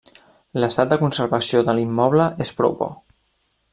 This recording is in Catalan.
L'estat de conservació de l'immoble és prou bo.